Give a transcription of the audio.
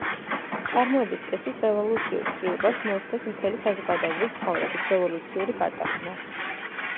წარმოების წესის რევოლუციურ ცვლილებას მოსდევს მთელი საზოგადოებრივი ცხოვრების რევოლუციური გარდაქმნა.